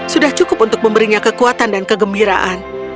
sudah cukup untuk memberinya kekuatan dan kegembiraan